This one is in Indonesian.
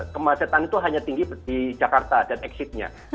kemacetan itu hanya tinggi di jakarta dan exitnya